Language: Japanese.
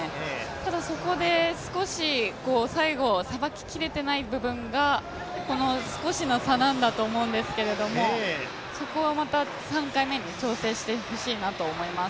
ただ、そこで少し最後、さばききれていない部分が、この少しの差なんだと思うんですけどそこはまた３回目に調整してほしいなと思います。